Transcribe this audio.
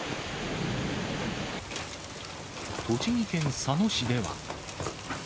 栃木県佐野市では。